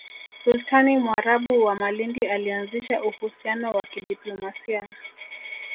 Sultani Mwarabu wa Malindi alianzisha uhusiano wa kidiplomasia